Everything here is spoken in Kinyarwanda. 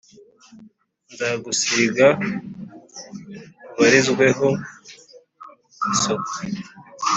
nzagusiga ubarizweho isuku